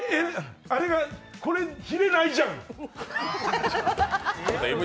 あれが、これヒレないじゃん！